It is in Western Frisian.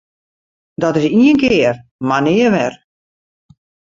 Dat is ien kear mar nea wer!